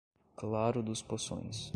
Claro dos Poções